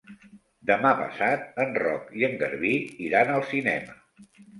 Demà passat en Roc i en Garbí iran al cinema.